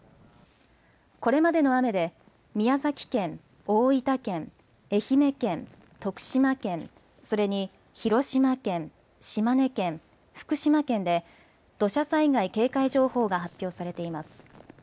これまでの雨で、宮崎県、大分県、愛媛県、徳島県、それに広島県、島根県、福島県で、土砂災害警戒情報が発表されています。